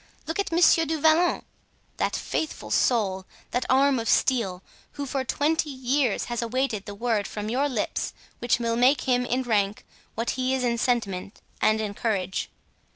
Look at Monsieur du Vallon, that faithful soul, that arm of steel, who for twenty years has awaited the word from your lips which will make him in rank what he is in sentiment and in courage.